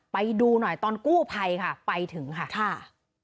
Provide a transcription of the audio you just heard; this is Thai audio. ไปดูหน่อยตอนกู้ไพรไปถึงค่ะ